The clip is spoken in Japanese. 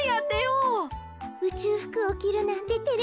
うちゅうふくをきるなんててれますねえ。